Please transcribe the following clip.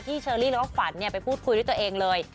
ที่เชอรี่แล้วก็ฝันเนี่ยไปพูดคุยด้วยตัวเองเลย